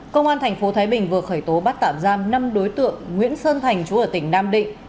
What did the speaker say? công an tp thái bình vừa khởi tố bắt tạm giam năm đối tượng nguyễn sơn thành chú ở tỉnh nam định